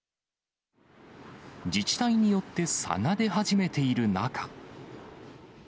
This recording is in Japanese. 自治体によって差が出始めている中。